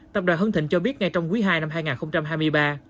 tập đoàn hưng thịnh cho biết ngay trong quý ii năm hai nghìn hai mươi ba